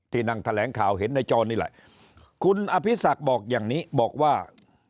นั่งแถลงข่าวเห็นในจอนี่แหละคุณอภิษักษ์บอกอย่างนี้บอกว่า